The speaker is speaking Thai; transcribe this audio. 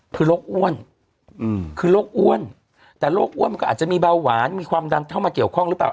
คือโรคอ้วนคือโรคอ้วนแต่โรคอ้วนมันก็อาจจะมีเบาหวานมีความดันเข้ามาเกี่ยวข้องหรือเปล่า